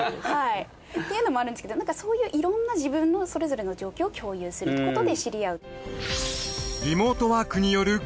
っていうのもあるんですけどなんかそういういろんな自分のそれぞれの状況を共有することで知り合う。